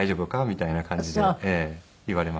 みたいな感じで言われますね。